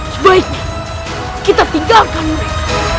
sebaiknya kita tinggalkan mereka